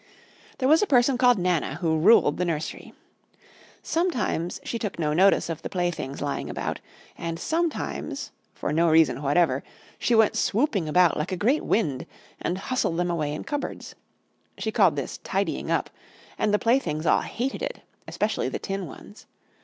There was a person called Nana who ruled the nursery. Sometimes she took no notice of the playthings lying about, and sometimes, for no reason whatever, she went swooping about like a great wind and hustled them away in cupboards. She called this "tidying up," and the playthings all hated it, especially the tin ones.